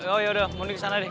oh ya udah mohon di sana deh